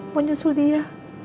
mau nyusul dia